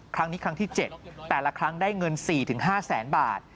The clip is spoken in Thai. ครั้งนี้ครั้งที่เจ็ดแต่ละครั้งได้เงินสี่ถึงห้าแสนบาท